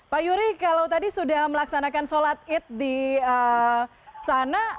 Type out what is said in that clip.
pak yuri kalau tadi sudah melaksanakan sholat id di sana